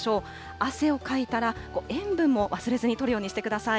汗をかいたら、塩分も忘れずにとるようにしてください。